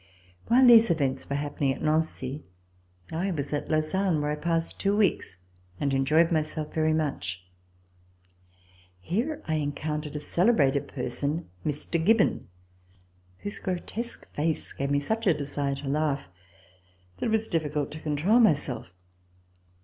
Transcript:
While these events were happening at Nancy, I C 120] VISIT TO SWITZERLAND was at Lausanne, where 1 passed two weeks and en joyed myself very much. Mere I encountered a cele brated person — Mr. Cjibbon — whose grotesque face gave me such a desire to laugh that it was difficult to control myself.